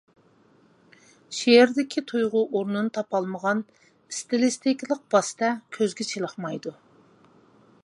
شېئىردىكى تۇيغۇ ئورنىنى تاپالمىغان ئىستىلىستىكىلىق ۋاسىتە كۆزگە چېلىقمايدۇ.